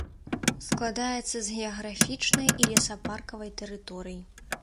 Складаецца з геаграфічнай і лесапаркавай тэрыторый.